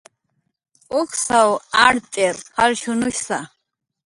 Uksw art'ir jalshunushsa